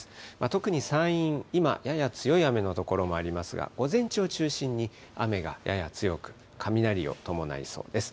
特に山陰、今やや強い雨の所もありますが、午前中を中心に雨がやや強く、雷を伴いそうです。